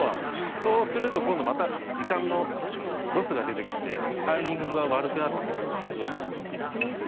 そうすると時間のロスが出てきてタイミングが悪くなってくるんですね。